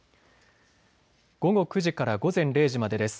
午後９時から午前０時までです。